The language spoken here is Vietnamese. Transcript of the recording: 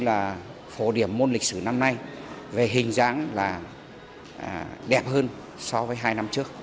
là phổ điểm môn lịch sử năm nay về hình dáng là đẹp hơn so với hai năm trước